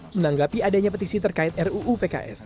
menanggapi adanya petisi terkait ruupks